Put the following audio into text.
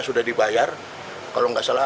sudah dibayar kalau nggak salah